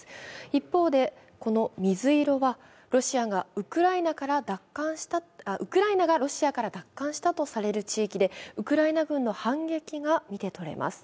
一方で、この水色はウクライナがロシア奪還したとされる地域でウクライナ軍の反撃が見てとれます。